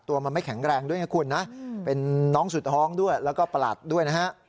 ตัวมันไม่แข็งแรงด้วยนะคุณนะเป็นน้องสุดท้องด้วยแล้วก็ประหลัดด้วยนะฮะ